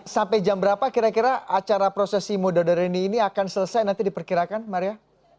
sampai jam berapa kira kira acara prosesi muda dareni ini akan selesai nanti diperkirakan maria